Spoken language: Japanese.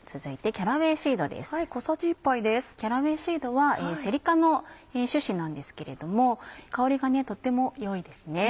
キャラウェイシードはセリ科の種子なんですけれども香りがとっても良いですね。